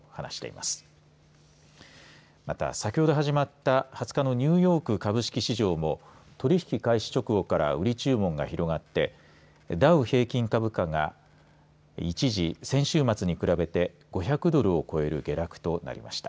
また先ほど始まった２０日のニューヨーク株式市場も取引開始直後から売り注文が広がってダウ平均株価が一時、先週末に比べて５００ドルを超える下落となりました。